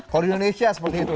kalau di indonesia seperti itu